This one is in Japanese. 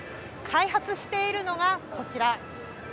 開発しているのがこちら。